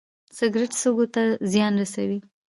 سګرټ سږو ته زیان رسوي